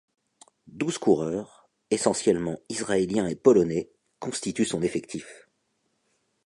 Douze coureurs, essentiellement israéliens et polonais, constituent son effectif.